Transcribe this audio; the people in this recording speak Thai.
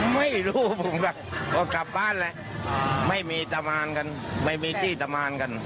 ไม่รู้ผมก็กลับบ้านแหละไม่มีตะมานกันไม่มีที่ตะมานกัน